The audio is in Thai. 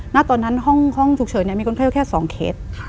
ณตอนนั้นห้องฉุกเฉินมีคนไข้แค่๒เคส